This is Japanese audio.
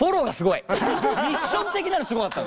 ミッション的なのすごかった。